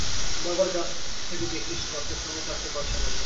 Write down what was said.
বাবার কাছ থেকে দেখিস রথের সময় চারটে পয়সা নেবো।